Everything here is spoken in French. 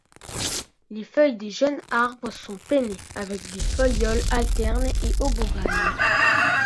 Les feuilles des jeunes arbres sont pennées avec des folioles alternes et obovales.